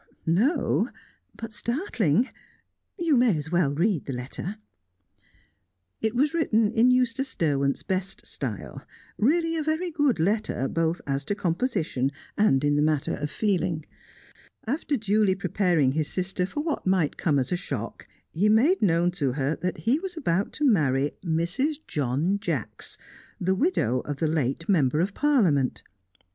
"No, but startling. You may as well read the letter." It was written in Eustace Derwent's best style; really a very good letter, both as to composition and in the matter of feeling. After duly preparing his sister for what might come as a shock, he made known to her that he was about to marry Mrs. John Jacks, the widow of the late member of Parliament.